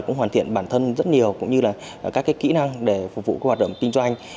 cũng hoàn thiện bản thân rất nhiều cũng như là các cái kỹ năng để phục vụ các hoạt động kinh doanh